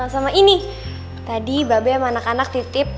sama ini tadi mbak be sama anak anak titip